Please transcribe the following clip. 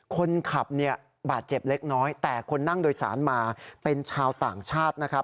คนขับเนี่ยบาดเจ็บเล็กน้อยแต่คนนั่งโดยสารมาเป็นชาวต่างชาตินะครับ